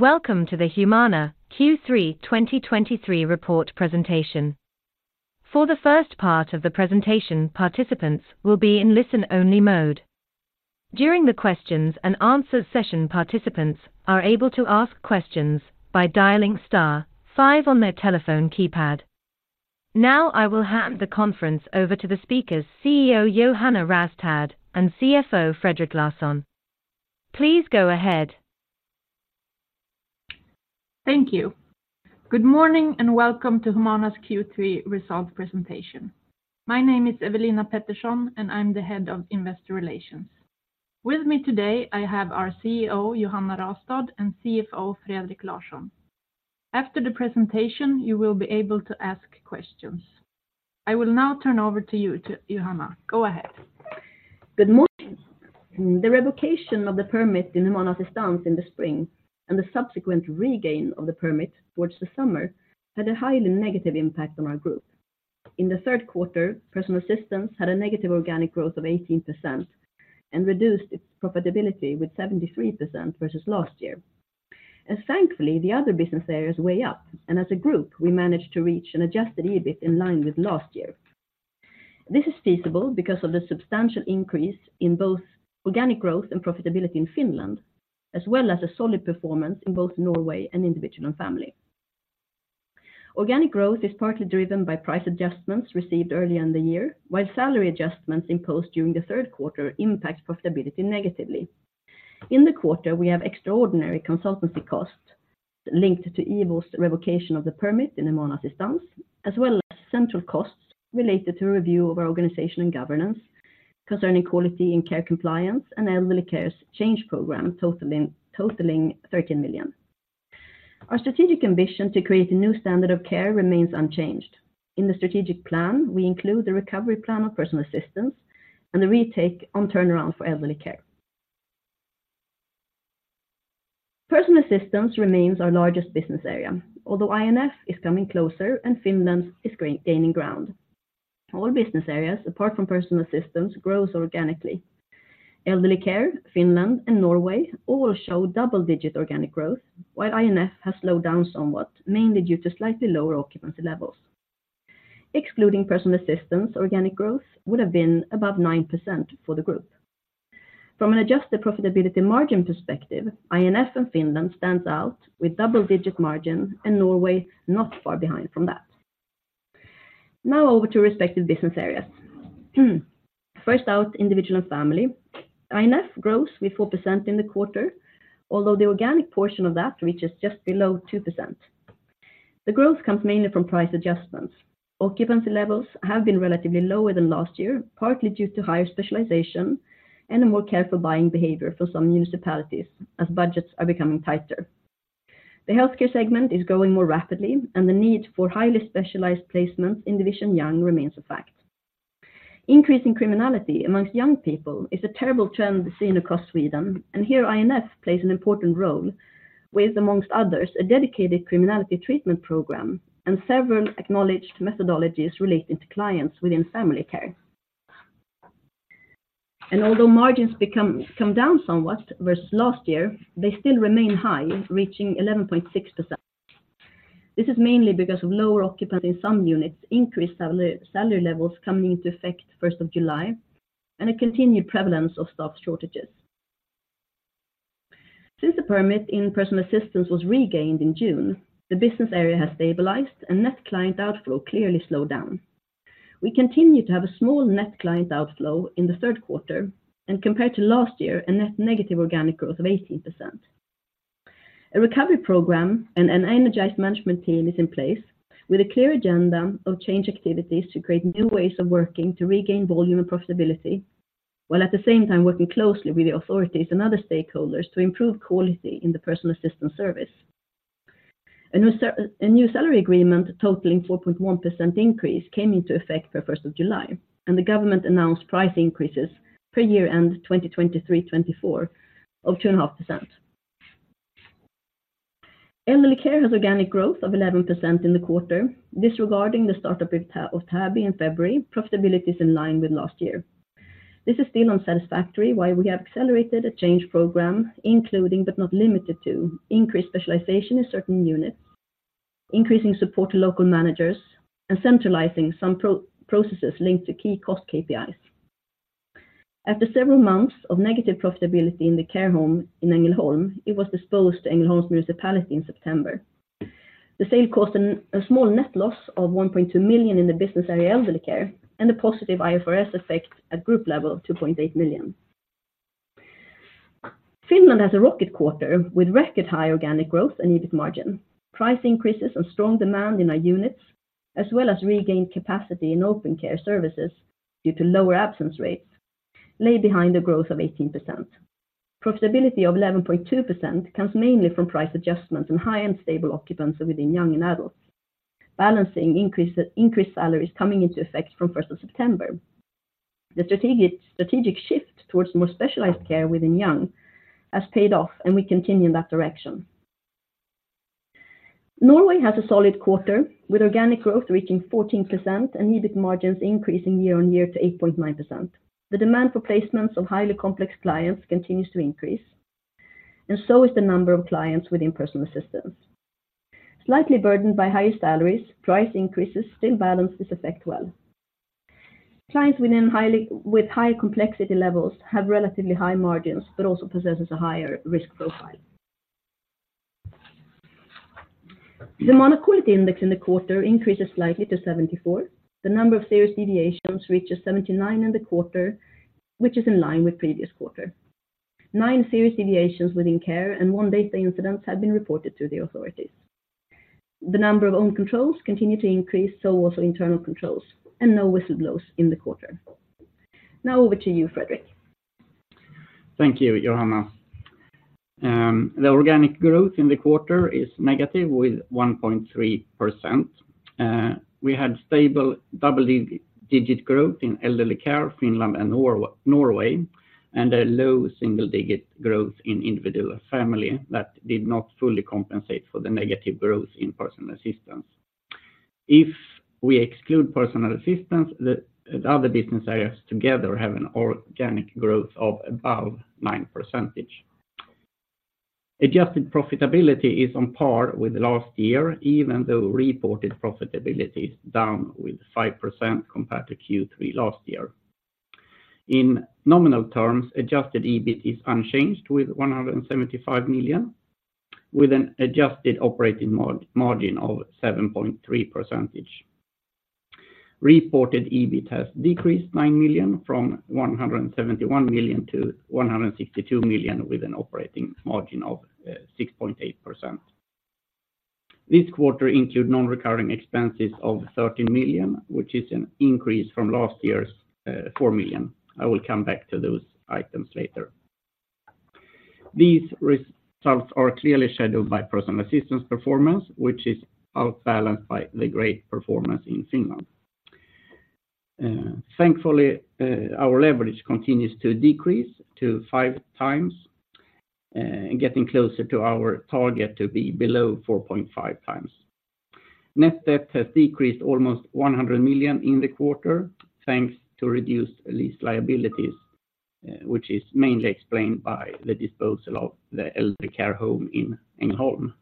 Welcome to the Humana Q3 2023 report presentation. For the first part of the presentation, participants will be in listen-only mode. During the Q&A session, participants are able to ask questions by dialing star five on their telephone keypad. Now, I will hand the conference over to the speakers, CEO Johanna Rastad and CFO Fredrik Larsson. Please go ahead. Thank you. Good morning, and welcome to Humana's Q3 results presentation. My name is Ewelina Pettersson, and I'm the Head of Investor Relations. With me today, I have our CEO, Johanna Rastad, and CFO, Fredrik Larsson. After the presentation, you will be able to ask questions. I will now turn over to you, to Johanna. Go ahead. Good morning. The revocation of the permit in Humana Assistans in the spring and the subsequent regain of the permit towards the summer had a highly negative impact on our group. In the Q3, Personal Assistance had a negative organic growth of 18% and reduced its profitability with 73% versus last year. And thankfully, the other business areas weigh up, and as a group, we managed to reach an adjusted EBIT in line with last year. This is feasible because of the substantial increase in both organic growth and profitability in Finland, as well as a solid performance in both Norway and Individual and Family. Organic growth is partly driven by price adjustments received earlier in the year, while salary adjustments imposed during the Q3 impact profitability negatively. In the quarter, we have extraordinary consultancy costs linked to IVO's revocation of the permit in Humana Assistans, as well as central costs related to a review of our organization and governance concerning quality and care compliance and elderly care's change program, totaling 13 million. Our strategic ambition to create a new standard of care remains unchanged. In the strategic plan, we include the recovery plan of Personal Assistance and the retake on turnaround for Elderly Care. Personal Assistance remains our largest business area, although INF is coming closer and Finland is gaining ground. All business areas, apart from Personal Assistance, grows organically. Elderly Care, Finland, and Norway all show double-digit organic growth, while INF has slowed down somewhat, mainly due to slightly lower occupancy levels. Excluding Personal Assistance, organic growth would have been above 9% for the group. From an adjusted profitability margin perspective, INF and Finland stands out with double-digit margin, and Norway not far behind from that. Now over to respective business areas. First out, Individual and Family. INF grows with 4% in the quarter, although the organic portion of that reaches just below 2%. The growth comes mainly from price adjustments. Occupancy levels have been relatively lower than last year, partly due to higher specialization and a more careful buying behavior for some municipalities as budgets are becoming tighter. The healthcare segment is growing more rapidly, and the need for highly specialized placements in Division Young remains a fact. Increasing criminality amongst young people is a terrible trend seen across Sweden, and here INF plays an important role with, amongst others, a dedicated criminality treatment program and several acknowledged methodologies related to clients within family care. Although margins have come down somewhat versus last year, they still remain high, reaching 11.6%. This is mainly because of lower occupancy in some units, increased salary levels coming into effect first of July, and a continued prevalence of staff shortages. Since the permit in Personal Assistance was regained in June, the business area has stabilized, and net client outflow clearly slowed down. We continue to have a small net client outflow in the Q3, and compared to last year, a net negative organic growth of 18%. A recovery program and an energized management team is in place with a clear agenda of change activities to create new ways of working to regain volume and profitability, while at the same time working closely with the authorities and other stakeholders to improve quality in the personal assistance service. A new salary agreement, totaling 4.1% increase, came into effect per first of July, and the government announced price increases per year end 2023/24 of 2.5%. Elderly Care has organic growth of 11% in the quarter. Disregarding the start-up of Täby in February, profitability is in line with last year. This is still unsatisfactory, why we have accelerated a change program, including but not limited to increased specialization in certain units, increasing support to local managers, and centralizing some processes linked to key cost KPIs. After several months of negative profitability in the care home in Ängelholm, it was disposed to Ängelholm Municipality in September. The sale cost a small net loss of 1.2 million in the business area, Elderly Care, and a positive IFRS effect at group level of 2.8 million. Finland has a rocket quarter with record high organic growth and EBIT margin. Price increases and strong demand in our units, as well as regained capacity in open care services due to lower absence rates, lay behind the growth of 18%. Profitability of 11.2% comes mainly from price adjustments and high-end stable occupancy within Young and Adult, balancing increased salaries coming into effect from first of September. The strategic shift towards more specialized care within Young has paid off, and we continue in that direction. Norway has a solid quarter, with organic growth reaching 14% and EBIT margins increasing year-on-year to 8.9%. The demand for placements of highly complex clients continues to increase, and so is the number of clients within personal assistance. Slightly burdened by highest salaries, price increases still balance this effect well. Clients within with high complexity levels have relatively high margins, but also possesses a higher risk profile. The Humana Quality Index in the quarter increases slightly to 74. The number of serious deviations reaches 79 in the quarter, which is in line with previous quarter. Nine serious deviations within care and one data incident have been reported to the authorities. The number of own controls continue to increase, so also internal controls, and no whistle blows in the quarter. Now over to you, Fredrik. Thank you, Johanna. The organic growth in the quarter is negative, with 1.3%. We had stable double-digit growth in elderly care, Finland and Norway, and a low single-digit growth in individual family that did not fully compensate for the negative growth in personal assistance. If we exclude personal assistance, the other business areas together have an organic growth of above 9%. Adjusted profitability is on par with last year, even though reported profitability is down with 5% compared to Q3 last year. In nominal terms, adjusted EBIT is unchanged, with 175 million, with an adjusted operating margin of 7.3%. Reported EBIT has decreased 9 million, from 171 million to 162 million, with an operating margin of 6.8%. This quarter include non-recurring expenses of 13 million, which is an increase from last year's 4 million. I will come back to those items later. These results are clearly scheduled by personal assistance performance, which is outbalanced by the great performance in Finland. Thankfully, our leverage continues to decrease to 5x, and getting closer to our target to be below 4.5x. Net debt has decreased almost 100 million in the quarter, thanks to reduced lease liabilities, which is mainly explained by the disposal of the elderly care home in Ängelholm.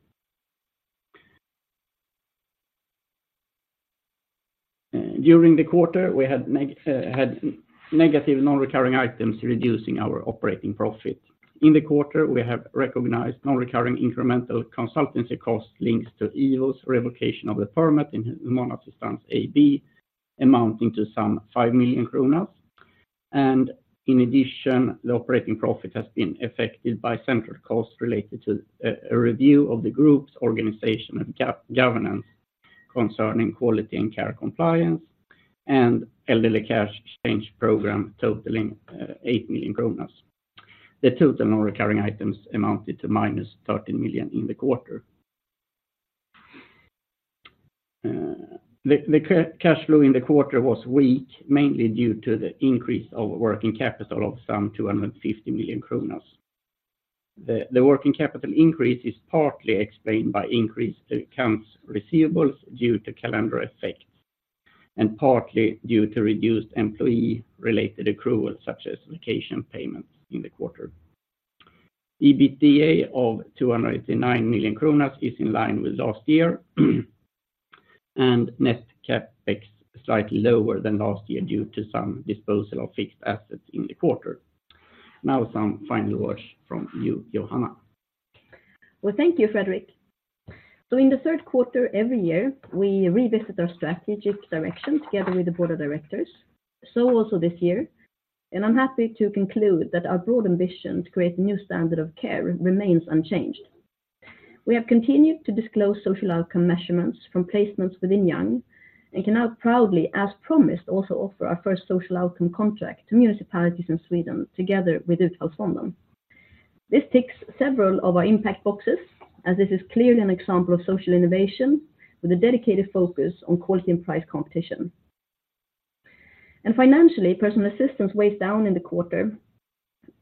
During the quarter, we had negative non-recurring items, reducing our operating profit. In the quarter, we have recognized non-recurring incremental consultancy costs linked to IVO's revocation of the permit in Humana Assistans AB, amounting to some 5 million kronor. In addition, the operating profit has been affected by central costs related to a review of the group's organization and governance concerning quality and care compliance, and elderly care change program totaling 8 million kronor. The total non-recurring items amounted to -13 million in the quarter. The cash flow in the quarter was weak, mainly due to the increase of working capital of some 250 million. The working capital increase is partly explained by increase to accounts receivables due to calendar effects, and partly due to reduced employee-related accruals, such as vacation payments in the quarter. EBITDA of 289 million kronor is in line with last year, and net CapEx slightly lower than last year due to some disposal of fixed assets in the quarter. Now, some final words from you, Johanna. Well, thank you, Fredrik. So in the Q3 every year, we revisit our strategic direction together with the board of directors, so also this year, and I'm happy to conclude that our broad ambition to create a new standard of care remains unchanged. We have continued to disclose social outcome measurements from placements within Young, and can now proudly, as promised, also offer our first social outcome contract to municipalities in Sweden, together with Utfallsfonden. This ticks several of our impact boxes, as this is clearly an example of social innovation with a dedicated focus on quality and price competition. And financially, personal assistance weighs down in the quarter,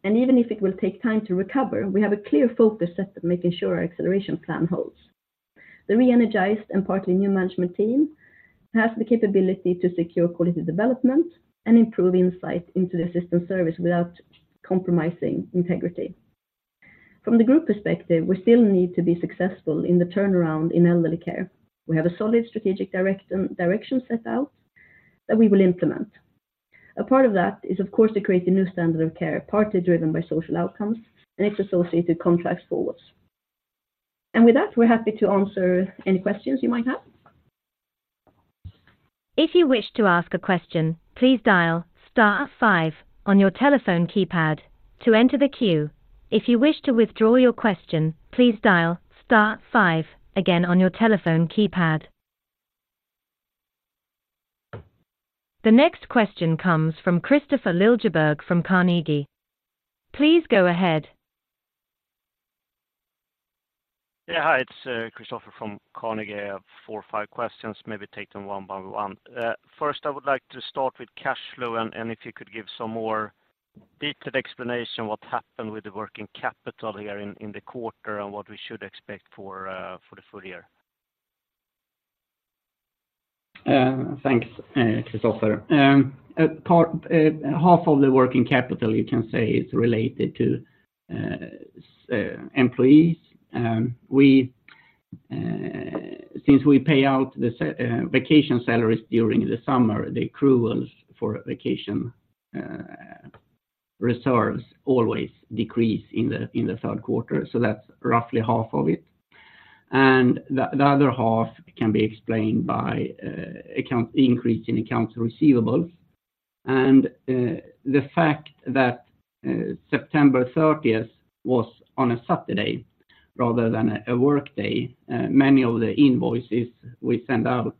and even if it will take time to recover, we have a clear focus set of making sure our acceleration plan holds. The re-energized and partly new management team has the capability to secure quality development and improve insight into the assistant service without compromising integrity. From the group perspective, we still need to be successful in the turnaround in elderly care. We have a solid strategic direction set out that we will implement. A part of that is, of course, to create a new standard of care, partly driven by social outcomes and its associated contracts forwards. With that, we're happy to answer any questions you might have. If you wish to ask a question, please dial star five on your telephone keypad to enter the queue. If you wish to withdraw your question, please dial star five again on your telephone keypad. The next question comes from Kristofer Liljeberg from Carnegie. Please go ahead. Yeah, hi, it's Kristofer from Carnegie. I have four or five questions, maybe take them one by one. First, I would like to start with cash flow, and, and if you could give some more detailed explanation what happened with the working capital here in the quarter and what we should expect for the full year? Thanks, Kristofer. Half of the working capital, you can say, is related to employees. Since we pay out the vacation salaries during the summer, the accruals for vacation reserves always decrease in the Q3, so that's roughly half of it. The other half can be explained by an increase in accounts receivables. The fact that September thirtieth was on a Saturday rather than a workday, many of the invoices we send out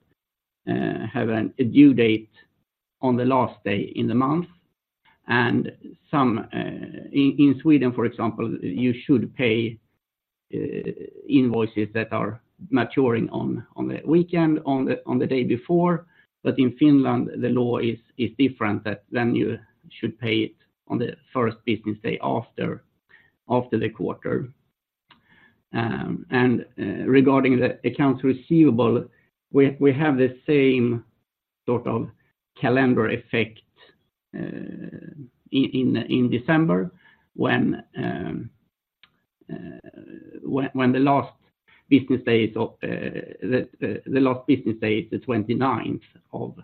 have a due date on the last day in the month. In Sweden, for example, you should pay invoices that are maturing on the weekend on the day before. But in Finland, the law is different, that then you should pay it on the first business day after the quarter. And regarding the accounts receivable, we have the same sort of calendar effect in December, when the last business day is the 29th of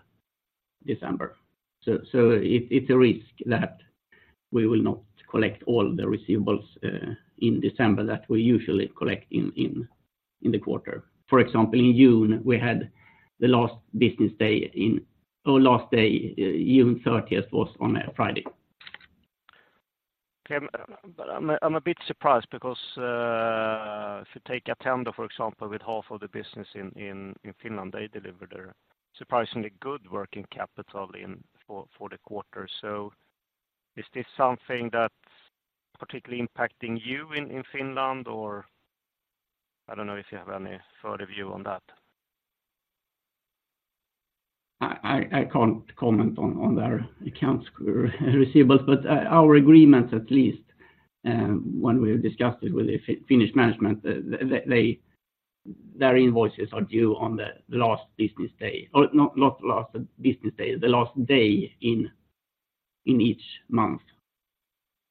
December. So it’s a risk that we will not collect all the receivables in December that we usually collect in the quarter. For example, in June, we had the last business day in or last day, June 30th, was on a Friday. Okay. But I'm a bit surprised because if you take Attendo, for example, with half of the business in Finland, they delivered a surprisingly good working capital in for the quarter. So is this something that's particularly impacting you in Finland, or I don't know if you have any further view on that? I can't comment on their accounts receivables, but our agreements, at least, when we discussed it with the Finnish management, they, their invoices are due on the last business day, or not, not last business day, the last day in each month,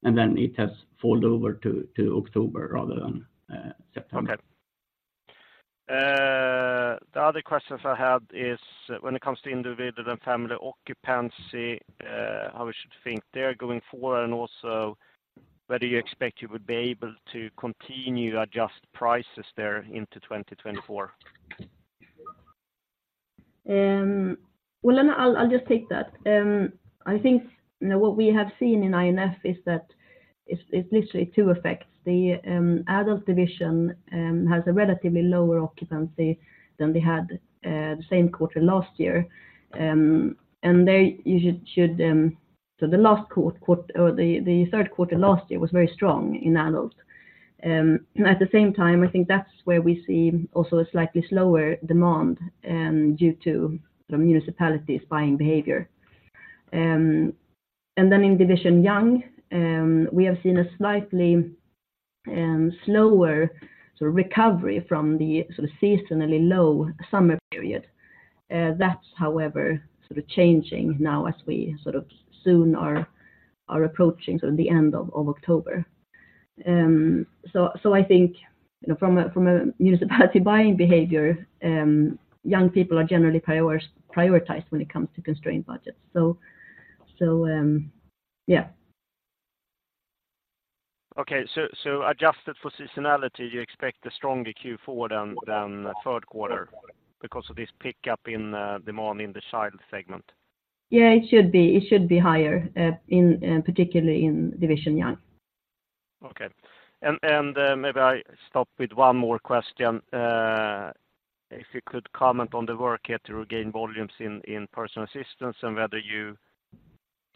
and then it has fallen over to October rather than September. Okay. The other question I had is when it comes to individual and family occupancy, how we should think there going forward, and also, whether you expect you would be able to continue to adjust prices there into 2024? Well, I'll, I'll just take that. I think, you know, what we have seen in INF is that it's literally two effects. The adult division has a relatively lower occupancy than they had the same quarter last year. So the last quarter or the Q3 last year was very strong in adults. At the same time, I think that's where we see also a slightly slower demand due to the municipalities buying behavior. And then in Division Young we have seen a slightly slower sort of recovery from the sort of seasonally low summer period. That's however sort of changing now as we sort of soon are approaching sort of the end of October. I think, you know, from a municipality buying behavior, young people are generally prioritized when it comes to constrained budgets. Yeah. Okay, so adjusted for seasonality, you expect a stronger Q4 than the Q3 because of this pickup in demand in the child segment? Yeah, it should be higher, particularly in Division Young. Okay. Maybe I stop with one more question. If you could comment on the work yet to regain volumes in personal assistance and whether you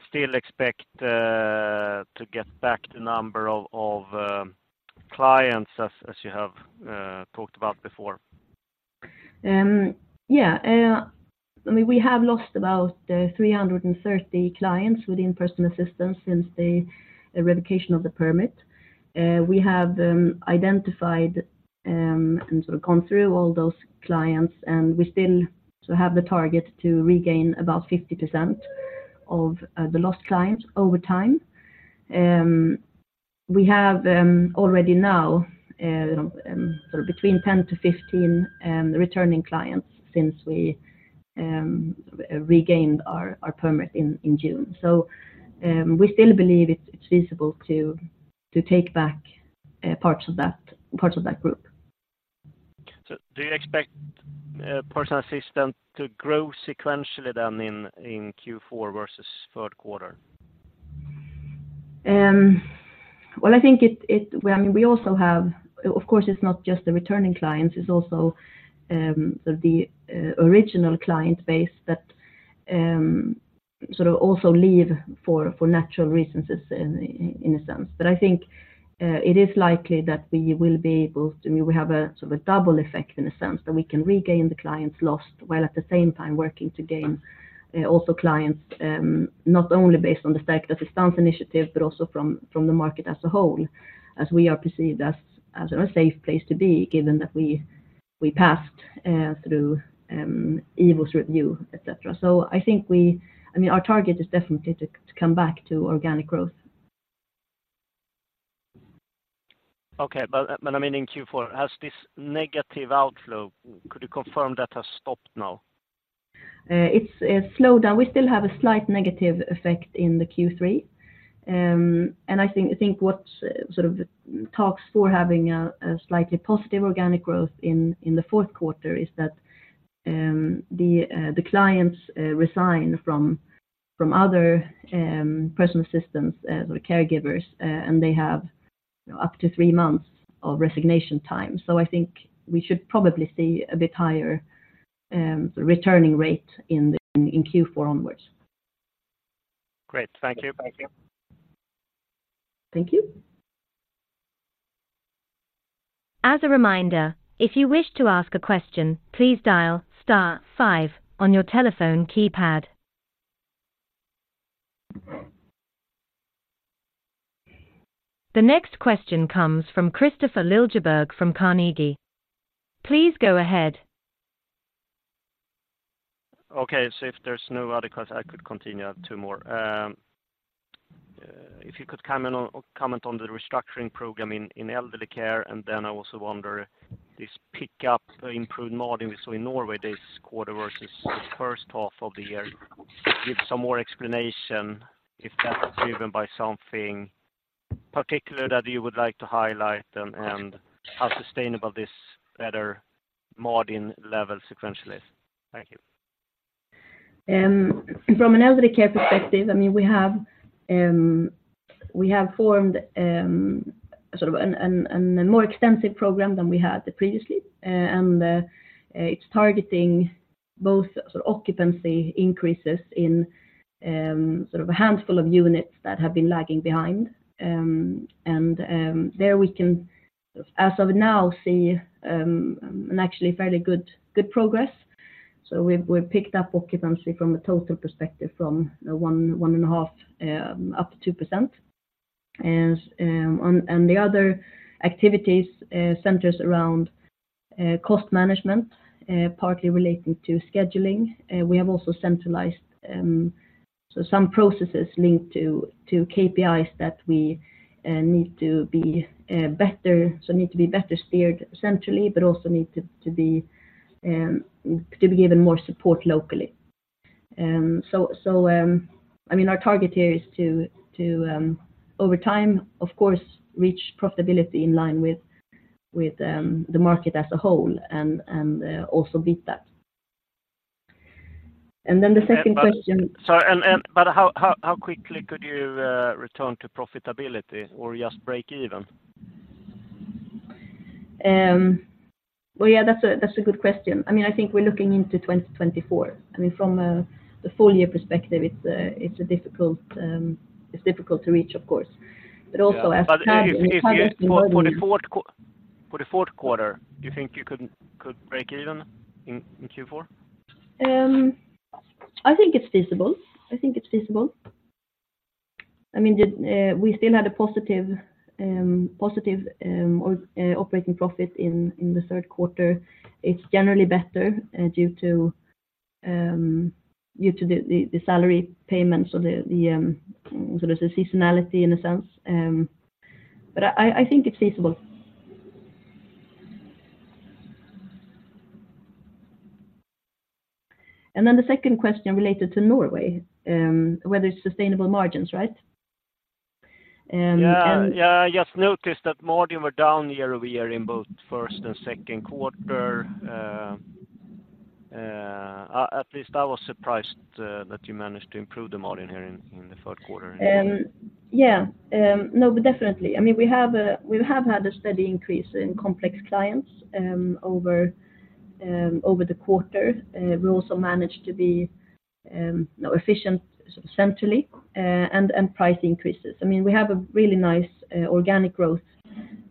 still expect to get back the number of clients as you have talked about before. Yeah. I mean, we have lost about 330 clients within personal assistance since the revocation of the permit. We have identified and sort of gone through all those clients, and we still have the target to regain about 50% of the lost clients over time. We have already now sort of between 10 to 15 returning clients since we regained our permit in June. So, we still believe it's feasible to take back parts of that, parts of that group. Do you expect Personal Assistance to grow sequentially than in Q4 versus Q3? Well, I think it, I mean, we also have. Of course, it's not just the returning clients, it's also sort of the original client base that sort of also leave for natural reasons, in a sense. But I think it is likely that we will be able to, I mean, we have a sort of a double effect in a sense, that we can regain the clients lost, while at the same time working to gain also clients, not only based on the fact that the stance initiative, but also from the market as a whole, as we are perceived as a safe place to be, given that we passed through IVO review, et cetera. So I think I mean, our target is definitely to come back to organic growth. Okay. But, but I mean, in Q4, has this negative outflow, could you confirm that has stopped now? It's slowed down. We still have a slight negative effect in the Q3. And I think what speaks for having a slightly positive organic growth in the Q4 is that the clients resign from other personal assistance or caregivers, and they have up to three months of resignation time. So I think we should probably see a bit higher returning rate in Q4 onwards. Great. Thank you. Thank you. Thank you. As a reminder, if you wish to ask a question, please dial star five on your telephone keypad. The next question comes from Kristofer Liljeberg from Carnegie. Please go ahead. Okay. So if there's no other question, I could continue two more. If you could comment on the restructuring program in elderly care, and then I also wonder, this pickup, the improved margin we saw in Norway this quarter versus the first half of the year. Give some more explanation if that was driven by something particular that you would like to highlight, and how sustainable this better margin level sequentially. Thank you. From an elderly care perspective, I mean, we have formed sort of a more extensive program than we had previously, and it's targeting both sort of occupancy increases in sort of a handful of units that have been lagging behind. And there we can, as of now, see an actually fairly good progress. So we've picked up occupancy from a total perspective from 1.5% up to 2%. And the other activities centers around cost management, partly relating to scheduling. We have also centralized so some processes linked to KPIs that we need to be better, so need to be better steered centrally, but also need to be given more support locally. So, I mean, our target here is to over time, of course, reach profitability in line with the market as a whole, and also beat that. And then the second question- Sorry, but how quickly could you return to profitability or just break even? Well, yeah, that's a good question. I mean, I think we're looking into 2024. I mean, from the full year perspective, it's difficult to reach, of course, but also as- But if for the Q4, do you think you could break even in Q4? I think it's feasible. I think it's feasible. I mean, we still had a positive, positive operating profit in the Q3. It's generally better due to the salary payments or the, so there's a seasonality in a sense, but I think it's feasible. The second question related to Norway, whether it's sustainable margins, right? Yeah, yeah, I just noticed that margin were down year-over-year in both first and Q2. At least I was surprised that you managed to improve the margin here in the Q3. Yeah. No, but definitely. I mean, we have had a steady increase in complex clients over the quarter. We also managed to be efficient centrally and price increases. I mean, we have a really nice organic growth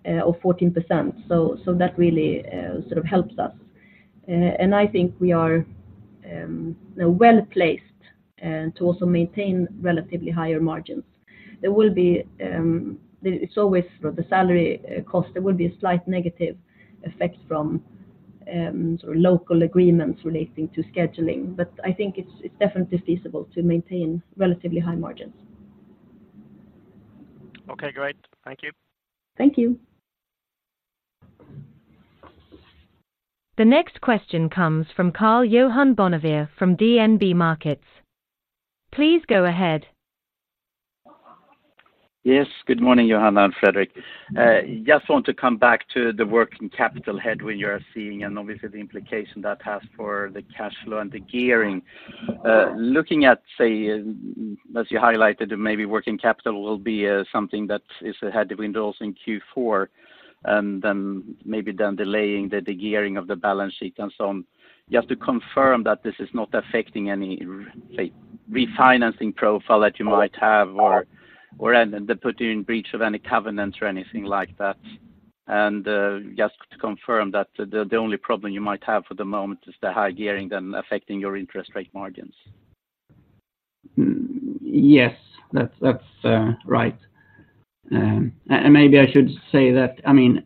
of 14%, so that really sort of helps us. And I think we are well-placed to also maintain relatively higher margins. There will be. It's always for the salary cost. There will be a slight negative effect from sort of local agreements relating to scheduling, but I think it's definitely feasible to maintain relatively high margins. Okay, great. Thank you. Thank you. The next question comes from Karl-Johan Bonnevier from DNB Markets. Please go ahead. Yes, good morning, Johanna and Fredrik. Just want to come back to the working capital headwind you're seeing, and obviously the implication that has for the cash flow and the gearing. Looking at, say, as you highlighted, maybe working capital will be something that is a headwind in Q4, and then maybe delaying the gearing of the balance sheet and so on. You have to confirm that this is not affecting any, say, refinancing profile that you might have or anything and put you in breach of any covenants or anything like that? Just to confirm that the only problem you might have for the moment is the high gearing then affecting your interest rate margins? Mm. Yes, that's right. And maybe I should say that, I mean,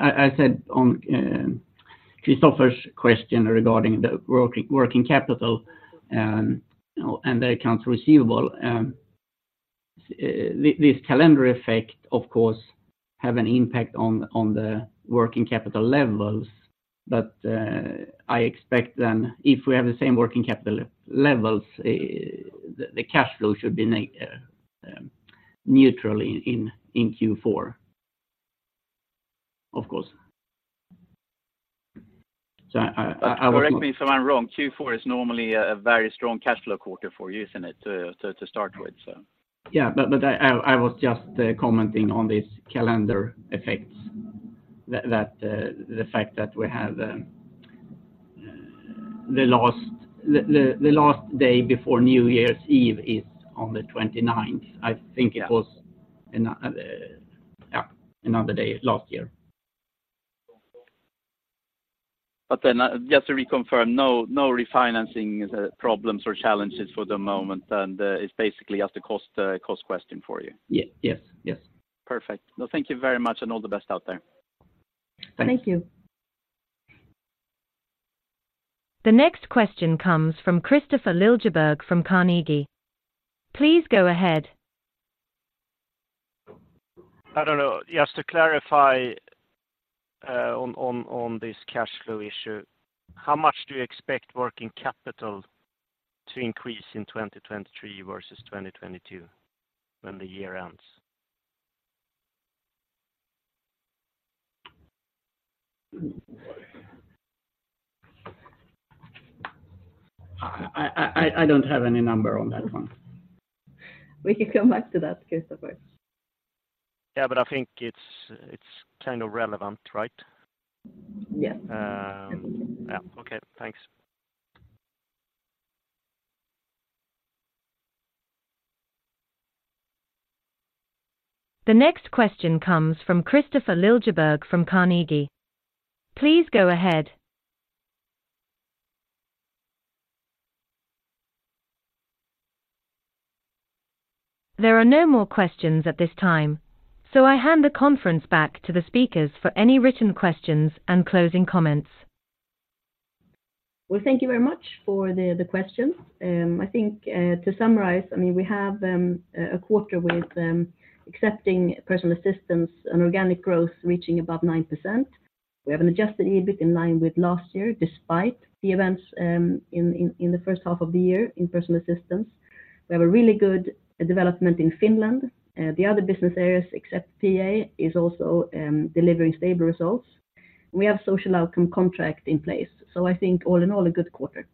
I said on Kristofer's question regarding the working capital and the accounts receivable, this calendar effect, of course, have an impact on the working capital levels. But I expect then if we have the same working capital levels, the cash flow should be neutrally in Q4, of course. So I, Correct me if I'm wrong, Q4 is normally a very strong cash flow quarter for you, isn't it, to start with, so? Yeah, but I was just commenting on this calendar effects, that the fact that we have the last day before New Year's Eve is on the twenty-ninth. I think it was Yeah in, yeah, another day last year. But then, just to reconfirm, no, no refinancing, problems or challenges for the moment, and, it's basically just a cost, cost question for you? Yes. Yes, yes. Perfect. Well, thank you very much, and all the best out there. Thanks. Thank you. The next question comes from Kristofer Liljeberg from Carnegie. Please go ahead. I don't know. Just to clarify, on this cash flow issue, how much do you expect working capital to increase in 2023 versus 2022 when the year ends? I don't have any number on that one. We can come back to that, Kristofer. Yeah, but I think it's, it's kind of relevant, right? Yes. Yeah. Okay, thanks. The next question comes from Kristofer Liljeberg from Carnegie. Please go ahead. There are no more questions at this time, so I hand the conference back to the speakers for any written questions and closing comments. Well, thank you very much for the questions. I think to summarize, I mean, we have a quarter with accepting personal assistance and organic growth reaching above 9%. We have an adjusted EBIT in line with last year, despite the events in the first half of the year in personal assistance. We have a really good development in Finland. The other business areas, except PA, is also delivering stable results. We have Social Outcome Contract in place, so I think all in all, a good quarter.